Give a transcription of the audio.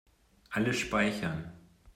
Alles speichern.